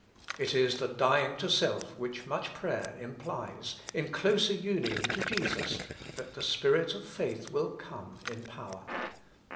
It is the dying to self which much prayer implies, in closer union to Jesus, that the spirit of faith will come in power.